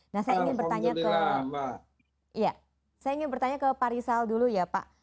nah saya ingin bertanya ke pak rizal dulu ya pak